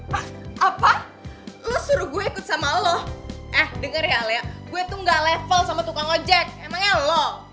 ah apa lo suruh gue ikut sama lo ehh dengar ya alia gue tuh gak level sama tukang ojek emangnya lo